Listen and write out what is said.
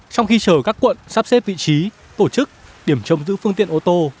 trong khi chờ các quận sắp xếp vị trí tổ chức điểm trông giữ phương tiện ô tô